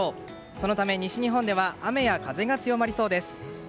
そのため西日本では雨や風が強まりそうです。